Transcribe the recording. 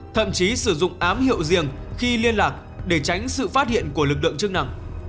thậm chí sử dụng ám hiệu riêng khi liên lạc để tránh sự phát hiện của lực lượng chức năng